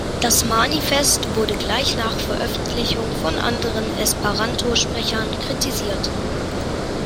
Das Manifest wurde gleich nach Veröffentlichung von anderen Esperanto-Sprechern kritisiert.